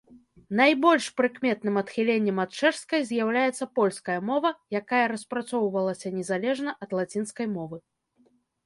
Найбольш прыкметным адхіленнем ад чэшскай з'яўляецца польская мова, якая распрацоўвалася незалежна ад лацінскай мовы.